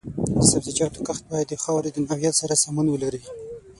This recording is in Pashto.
د سبزیجاتو کښت باید د خاورې د نوعیت سره سمون ولري.